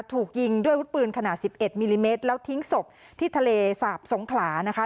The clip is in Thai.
ถูกยิงด้วยวุฒิปืนขนาด๑๑มิลลิเมตรแล้วทิ้งศพที่ทะเลสาบสงขลานะคะ